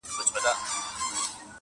بس که نیکه دا د جنګونو کیسې!!!